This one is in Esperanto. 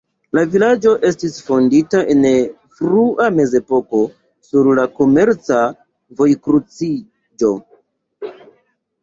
La vilaĝo estis fondita en frua mezepoko sur la komerca vojkruciĝo.